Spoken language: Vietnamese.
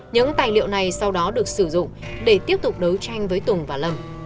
những tài liệu này sau đó được sử dụng để tiếp tục đấu tranh với tùng và lâm